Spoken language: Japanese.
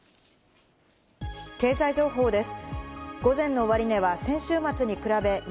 経済情報です。